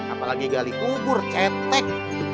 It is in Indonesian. apalagi gali kubur cetek